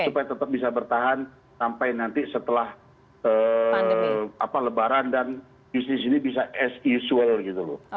supaya tetap bisa bertahan sampai nanti setelah lebaran dan bisnis ini bisa as usual gitu loh